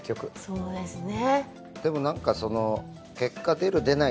そうですね。